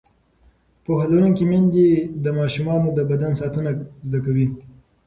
پوهه لرونکې میندې د ماشومانو د بدن ساتنه زده کوي.